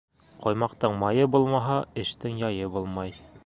Ҡоймаҡтың майы булмаһа, эштең яйы булмай.